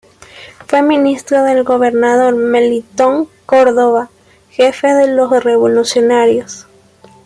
Fue ministro del gobernador Melitón Córdoba, jefe de los revolucionarios.